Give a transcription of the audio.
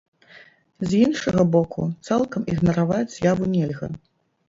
З іншага боку, цалкам ігнараваць з'яву нельга.